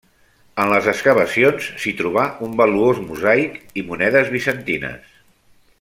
En les excavacions, s'hi trobà un valuós mosaic i monedes bizantines.